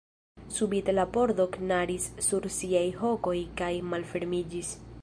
Subite la pordo knaris sur siaj hokoj kaj malfermiĝis.